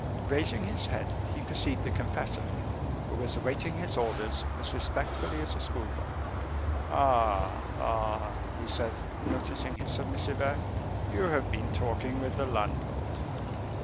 Raising his head, he perceived the confessor, who was awaiting his orders as respectfully as a school boy. "Ah, ah!" he said, noticing his submissive air, "you have been talking with the landlord."